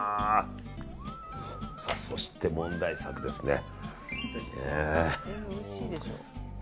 そして問題作ですね。